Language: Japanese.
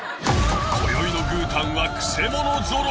こよいの「グータン」はくせ者ぞろい。